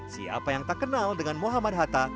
siapa yang tak kenal dengan muhammad hatta